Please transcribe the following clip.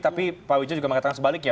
tapi pak wijaya juga mengatakan sebaliknya